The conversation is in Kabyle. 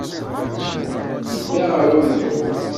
Yedda ɣer uneẓruf.